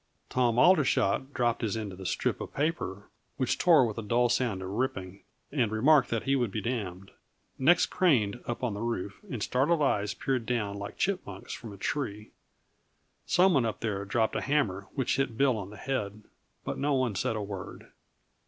Tom Aldershot dropped his end of the strip of paper, which tore with a dull sound of ripping, and remarked that he would be damned. Necks craned, up on the roof, and startled eyes peered down like chipmunks from a tree. Some one up there dropped a hammer which hit Bill on the head, but no one said a word.